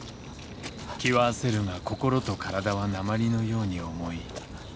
気は焦るが心と体は鉛のように重い。